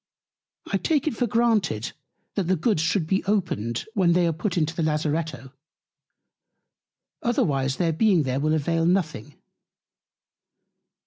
I take it for granted, that the Goods should be opened, when they are put into the Lazaretto, otherwise their being there will avail nothing.